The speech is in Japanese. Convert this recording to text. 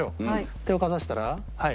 手をかざしたらはい。